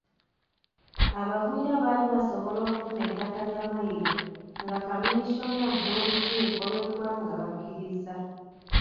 Abagwira baali basobola okufuna ettaka lya mmayiro nga kkamiisona n’olukiiko lw’eggwanga bakkirizza.